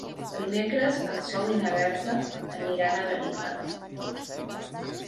Dimecres en Sol i na Berta aniran a Benifato.